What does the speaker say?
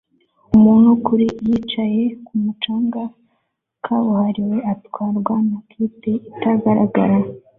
Umuntu kuri yicaye kumu canga kabuhariwe atwarwa na kite itagaragara